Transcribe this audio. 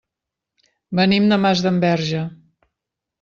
Venim de Masdenverge.